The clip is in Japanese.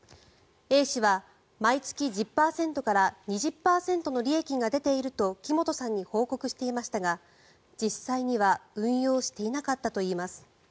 Ａ氏は毎月１０％から２０％の利益が出ていると木本さんに報告していましたが実際には運用していなかったといいます。